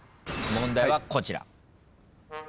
問題はこちら。